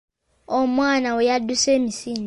Omwana we yaduuse emisinde.